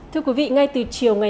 thu về một mối